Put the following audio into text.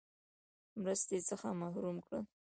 مرستې څخه محروم کړل.